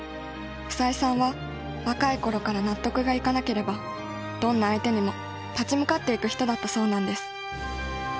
房枝さんは若い頃から納得がいかなければどんな相手にも立ち向かっていく人だったそうなんです